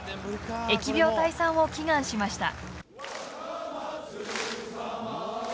疫病退散を祈願しました。